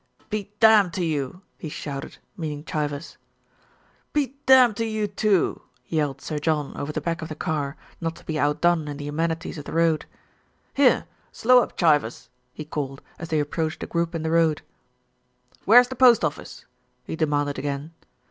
"Be damned to you !" he shouted, meaning Chivers. "Be damned to you, too !" yelled Sir John over the back of the car, not to be out done in the amenities of the road. "Here, slow up, Chivers," he called, as they approached a group in the road. "Where's the post office?" he demanded again.